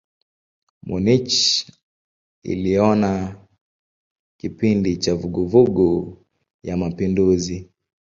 Munich iliona kipindi cha vuguvugu ya mapinduzi.